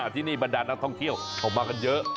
ที่นี่บรรดานักท่องเที่ยวเขามากันเยอะ